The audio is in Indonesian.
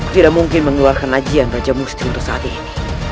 tidak mungkin mengeluarkan lajian raja musti untuk saat ini